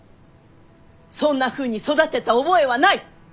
そんなふうに育てた覚えはない！